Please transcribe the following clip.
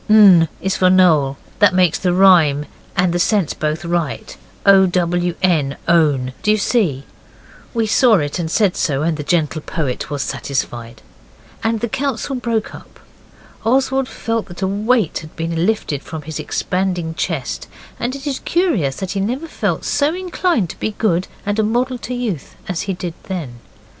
N is for Noel, that makes the rhyme and the sense both right. O, W, N, own; do you see?' We saw it, and said so, and the gentle poet was satisfied. And the council broke up. Oswald felt that a weight had been lifted from his expanding chest, and it is curious that he never felt so inclined to be good and a model youth as he did then.